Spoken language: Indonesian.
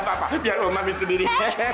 nggak apa apa biar om ambil sendiri